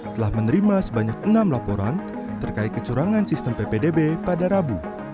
telah menerima sebanyak enam laporan terkait kecurangan sistem ppdb pada rabu